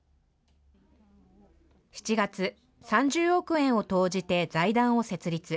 ７月、３０億円を投じて財団を設立。